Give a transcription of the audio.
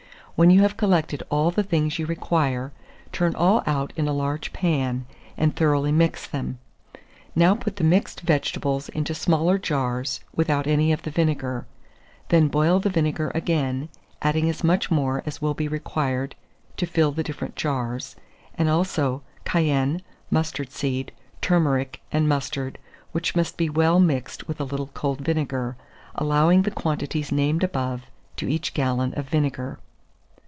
When you have collected all the things you require, turn all out in a large pan, and thoroughly mix them. Now put the mixed vegetables into smaller jars, without any of the vinegar; then boil the vinegar again, adding as much more as will be required to fill the different jars, and also cayenne, mustard seed, turmeric, and mustard, which must be well mixed with a little cold vinegar, allowing the quantities named above to each gallon of vinegar.